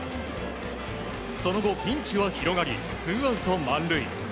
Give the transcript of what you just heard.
その後、ピンチは広がりツーアウト満塁。